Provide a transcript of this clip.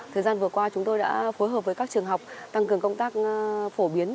thời gian vừa qua chúng tôi đã phối hợp với các trường học tăng cường công tác phổ biến